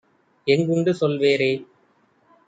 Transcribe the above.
எங்குண்டு சொல் வேறே?